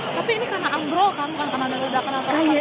tapi ini karena ambro kan karena mereka sudah kenal kenal